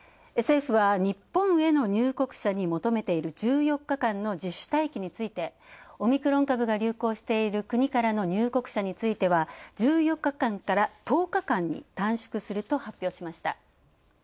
政府は日本への入国者に求めている１４日間の自主待機について、オミクロン株が流行している国からの入国者については１４日間から１０日間に短縮すると発表しました。